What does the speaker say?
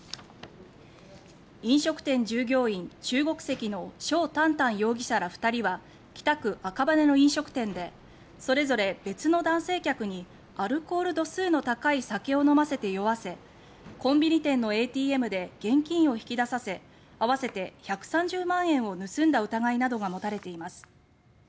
飲食店従業員、中国籍のショウ・タンタン容疑者ら２人は北区赤羽の飲食店でそれぞれ別の男性客にアルコール度数の高い酒を飲ませて酔わせコンビニ店のＡＴＭで現金を引き出させ合わせて１３０万円を盗んだ疑いなどが持たれています。